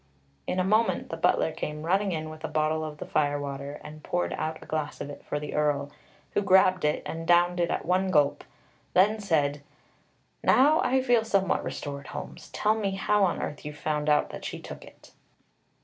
In a moment the butler came running in with a bottle of the fire water, and poured out a glass of it for the Earl, who grabbed it, and downed it at one gulp, then said: "Now I feel somewhat restored, Holmes. Tell me how on earth you found out that she took it."